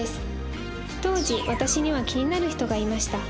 当時私には気になる人がいました